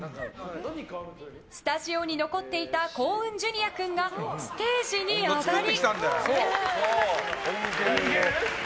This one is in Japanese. スタジオに残っていた幸雲Ｊｒ．君がステージに上がり。